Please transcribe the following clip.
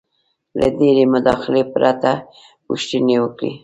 -له ډېرې مداخلې پرته پوښتنې وکړئ: